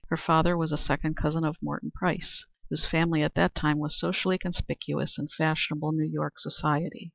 Her father was a second cousin of Morton Price, whose family at that time was socially conspicuous in fashionable New York society.